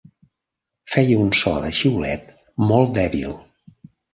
Feia un so de xiulet molt dèbil.